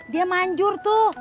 dia manjur tuh